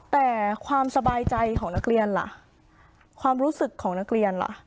แต่ความสบายใจของนักเรียนล่ะความรู้สึกของนักเรียนล่ะ